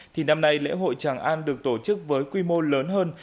thì năm nay lễ hội tràng an được tổ chức với quy mô lớn hơn